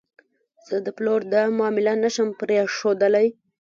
زه د پلور دا معامله نه شم پرېښودلی.